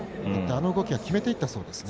あの動きは決めていったそうです。